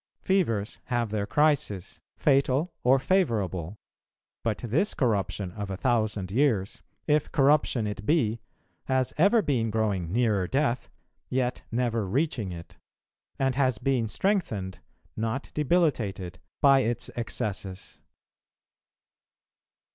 Fevers have their crisis, fatal or favourable; but this corruption of a thousand years, if corruption it be, has ever been growing nearer death, yet never reaching it, and has been strengthened, not debilitated, by its excesses.